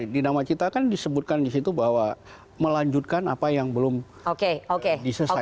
di nawacita kan disebutkan di situ bahwa melanjutkan apa yang belum diselesaikan